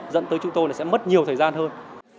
dẫn tới chúng tôi là sẽ mất nhiều thời gian hơn